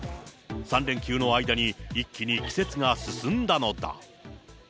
３連休の間に、一気に季節が進んだのだ。